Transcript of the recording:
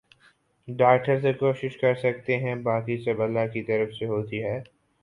doctor تو کوشش کر سکتے ہیں باقی سب اللہ کی طرف سے ھوتی ہے